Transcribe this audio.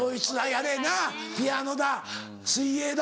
やれピアノだ水泳だ。